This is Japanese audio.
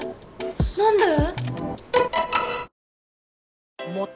何で？